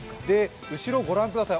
後ろ、ご覧ください。